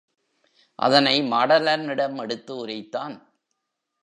அதனை மாடலனிடம் எடுத்து உரைத்தான்.